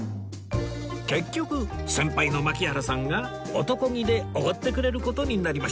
結局先輩の槙原さんがおとこ気でおごってくれる事になりました